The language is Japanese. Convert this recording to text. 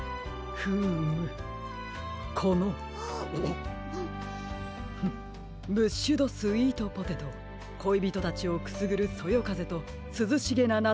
フームこのフッブッシュドスイートポテトこいびとたちをくすぐるそよかぜとすずしげなな